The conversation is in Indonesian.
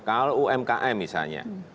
kalau umkm misalnya